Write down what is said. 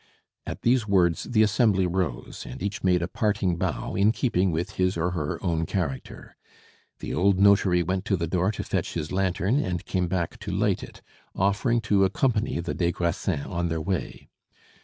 At these words the assembly rose, and each made a parting bow in keeping with his or her own character. The old notary went to the door to fetch his lantern and came back to light it, offering to accompany the des Grassins on their way.